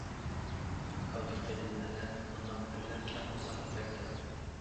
كالپۇكى قېلىن ئەرلەر بۇنداق ئەرلەر كەڭ قورساق، مەرد كېلىدۇ.